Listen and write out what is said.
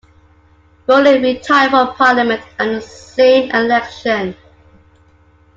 Rowling retired from parliament at the same election.